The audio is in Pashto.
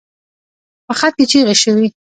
په خط کې چيغې شوې.